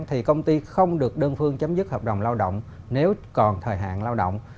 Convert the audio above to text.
thì công ty không được đơn phương chấm dứt hợp đồng lao động nếu còn thời hạn lao động